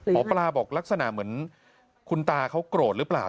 หมอปลาบอกลักษณะเหมือนคุณตาเขาโกรธหรือเปล่า